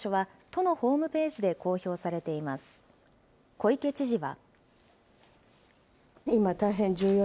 小池知事は。